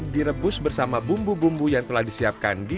di kolam ikan gabus ini